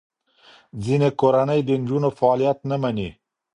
ځینې کورنۍ د نجونو فعالیت نه مني.